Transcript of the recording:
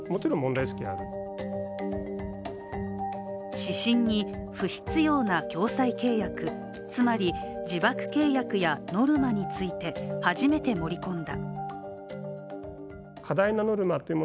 指針に、不必要な共済契約、つまり、自爆契約やノルマについて初めて盛り込んだ。